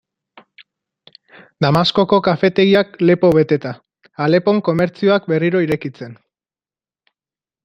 Damaskoko kafetegiak lepo beteta, Alepon komertzioak berriro irekitzen...